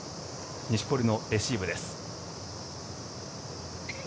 錦織のレシーブです。